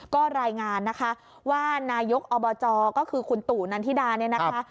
ก็รายงานนะคะว่านายกอบจก็คือคุณตู่นันทิดาเนี่ยนะคะ